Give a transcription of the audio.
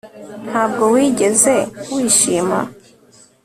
Ntabwo wigeze wishima